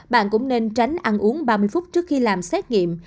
bạn cũng nên tránh ăn uống ba mươi phút trước khi làm xét nghiệm